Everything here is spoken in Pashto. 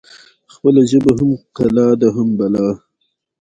آب وهوا د افغانستان د اقلیم ځانګړتیا ده.